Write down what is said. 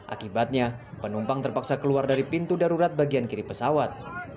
akibatnya penumpang terpaksa keluar dari pintu darurat bagian kiri pesawat